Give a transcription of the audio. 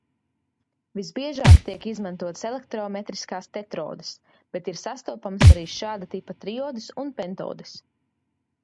Visbiežāk tiek izmantotas elektrometriskās tetrodes, bet ir sastopamas arī šāda tipa triodes un pentodes.